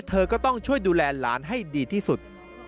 เธอก็ต้องช่วยดูแลหลานให้ดีที่สุด